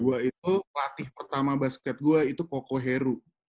gue itu pelatih pertama basket gue itu poko heru